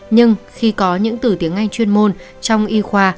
nhưng khi có những từ tiếng anh chuyên môn trong y khoa